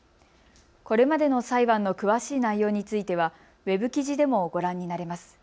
これまでの裁判の詳しい内容についてはＷＥＢ記事でもご覧になれます。